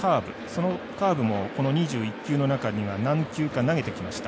そのカーブも２１球の中には何球か投げてきました。